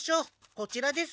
こちらです。